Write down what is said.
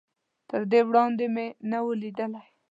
تر دې وړاندې مې نه و ليدلی.